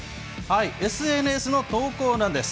ＳＮＳの投稿なんです。